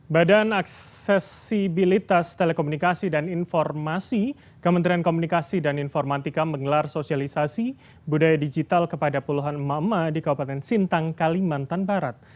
badan aksesibilitas telekomunikasi dan informasi kementerian komunikasi dan informatika menggelar sosialisasi budaya digital kepada puluhan emak emak di kabupaten sintang kalimantan barat